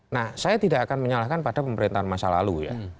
nah saya tidak akan menyalahkan pada pemerintahan masa lalu ya